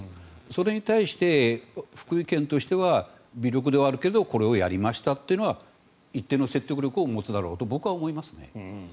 それに対して福井県は微力ではあるけどこれをやりましたというのは一定の説得力を持つだろうと僕は思いますね。